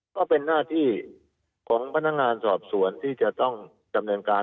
ก็เป็นหน้าที่ของพนักงานสอบสวนที่จะต้องดำเนินการ